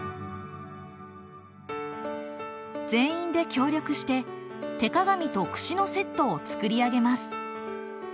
全員で協力して手鏡とくしのセットを作り上げます。